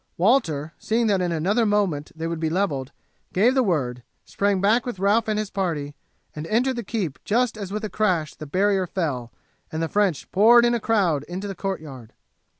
Walter, seeing that in another moment they would be levelled, gave the word, sprang back with Ralph and his party, and entered the keep just as with a crash the barrier fell and the French poured in a crowd into the courtyard.